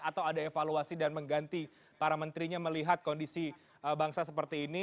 atau ada evaluasi dan mengganti para menterinya melihat kondisi bangsa seperti ini